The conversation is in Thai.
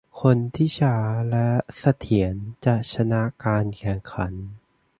คนที่ช้าและเสถียรจะชนะการแข่งขัน